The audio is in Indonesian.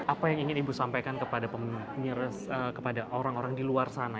apa yang ingin ibu sampaikan kepada orang orang di luar sana